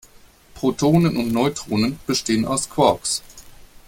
Protonen und Neutronen bestehen aus Quarks.